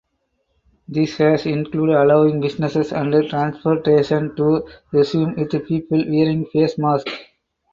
This has include allowing businesses and transportation to resume with people wearing face masks.